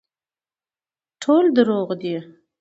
ټول دروغ دي